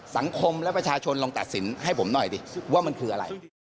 สังคมและประชาชนลองตัดสินให้ผมหน่อยดิว่ามันคืออะไร